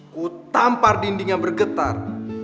ku tampar dinding yang bergetar